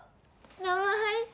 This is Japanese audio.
生配信！